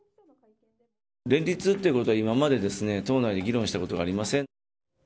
連立っていうことは今までですね、党内で議論したことがありません。